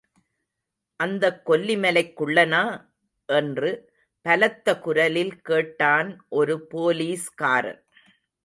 அந்தக் கொல்லிமலைக் குள்ளனா? என்று பலத்த குரலில் கேட்டான் ஒரு போலீஸ்காரன்.